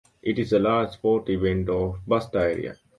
It is the largest sports event of the Bastar area.